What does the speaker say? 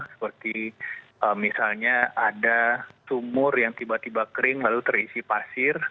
seperti misalnya ada sumur yang tiba tiba kering lalu terisi pasir